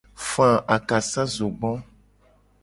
Fa akasazogbo.